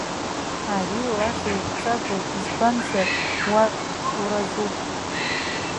Ари лахьеиқәҵагоуп, избанзар, уа уразуп.